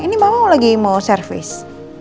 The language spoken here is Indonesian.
ini mama lagi mau service